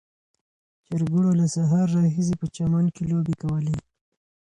چرګوړو له سهار راهیسې په چمن کې لوبې کولې.